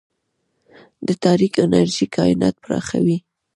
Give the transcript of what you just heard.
د تاریک انرژي کائنات پراخوي.